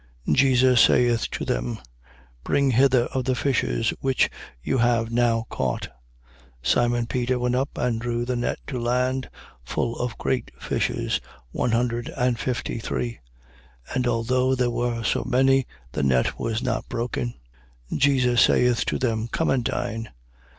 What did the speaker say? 21:10. Jesus saith to them: Bring hither of the fishes which you have now caught. 21:11. Simon Peter went up and drew the net to land, full of great fishes, one hundred and fifty three. And although there were so many, the net was not broken. 21:12. Jesus saith to them: Come and dine.